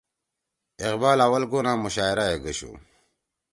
اقبال اوّل گونا مشاعرہ ئے گَشُو